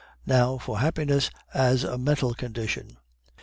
Now for happiness as a mental condition.